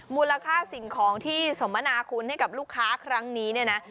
มูลค่าสิ่งของที่สมนาคุณให้กับลูกค้าครั้งนี้เนี่ยนะ